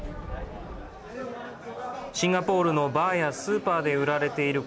シンガポールのバーやスーパーで売られている